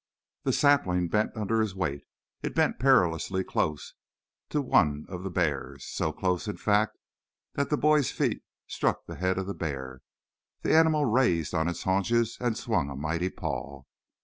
The sapling bent under his weight; it bent perilously close to one of the bears so close, in fact, that the fat boy's feet struck the head of the bear. The animal raised on its haunches and swung a mighty paw.